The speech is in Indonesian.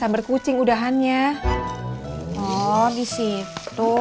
berkucing udahannya oh disitu